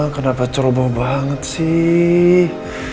kenapa ceroboh banget sih